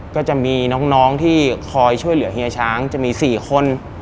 ก็จะมีน้องที่คอยช่วยเหลือเฮียช้างจะมี๔คน